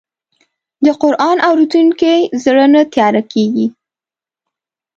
د قرآن اورېدونکی زړه نه تیاره کېږي.